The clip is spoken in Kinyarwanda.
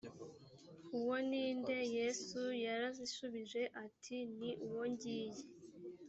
uwo ni nde yesu yarazishubije ati ni uwo ngiye